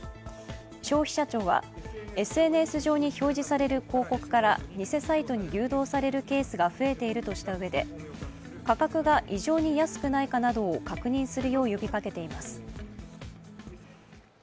消費者庁は、ＳＮＳ上に表示される広告から偽サイトに誘導されるケースが増えているとしたうえで価格が異常に安くないかなどを確認するよう呼びかけています。